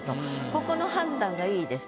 ここの判断がいいです。